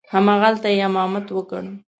همغلته یې امامت وکړ.